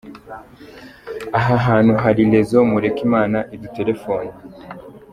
Aha hantu hari Raison mureke Imana iduterefone”.